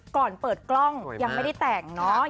ก่อนเปิดกล้องยังไม่ได้แต่งเนาะ